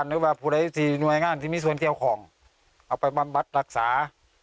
เอาไปบัมบัตรรักษา